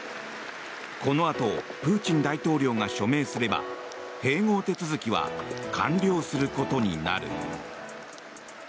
このあとプーチン大統領が署名すれば併合手続きは完了することになる。